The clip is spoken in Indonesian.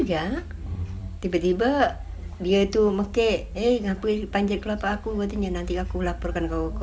ya tiba tiba dia itu mekek eh ngapain panjat kelapa aku buatnya nanti aku laporkan kau ke